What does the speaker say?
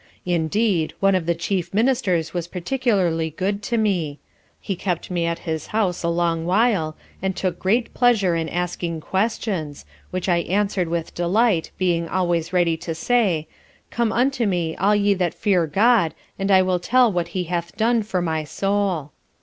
Indeed, one of the chief Ministers was particularly good to me; he kept me at his house a long while, and took great pleasure in asking questions, which I answer'd with delight, being always ready to say, _"Come unto me all ye that fear GOD, and I will tell what he hath done for my Soul."